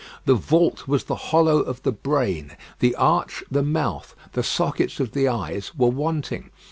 The vault was the hollow of the brain, the arch the mouth; the sockets of the eyes were wanting.